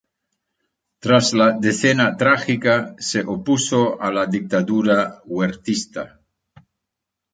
Tras la Decena Trágica se opuso a la dictadura huertista.